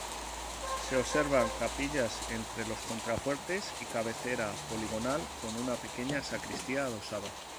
Se observan capillas entre los contrafuertes y cabecera poligonal con una pequeña sacristía adosada.